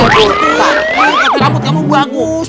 kata rambut kamu bagus